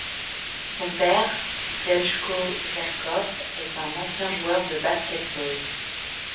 Son père Željko Jerkov est un ancien joueur de basket-ball.